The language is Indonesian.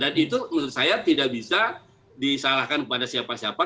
dan itu menurut saya tidak bisa disalahkan kepada siapa siapa